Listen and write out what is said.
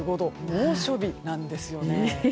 猛暑日なんですよね。